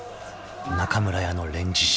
［中村屋の『連獅子』